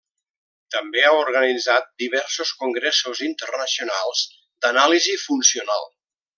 També ha organitzat diversos congressos internacionals d'anàlisi funcional.